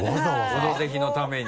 「オドぜひ」のために？